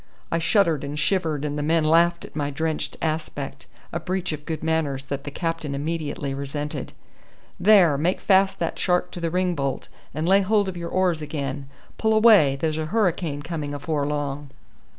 I shuddered and shivered, and the men laughed at my drenched aspect, a breach of good manners that the captain immediately resented. "There, make fast that shark to the ring bolt, and lay hold of your oars again. Pull away, there's a hurricane coming afore long."